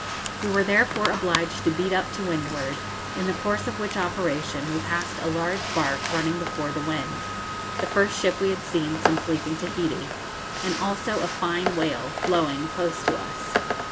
We were therefore obliged to beat up to windward, in the course of which operation we passed a large barque running before the wind the first ship we had seen since leaving Tahiti and also a fine whale, blowing, close to us.